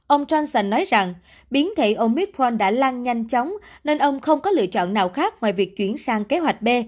ông johnson nói rằng biến thể omithron đã lan nhanh chóng nên ông không có lựa chọn nào khác ngoài việc chuyển sang kế hoạch b